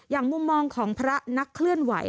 มุมมองของพระนักเคลื่อนไหว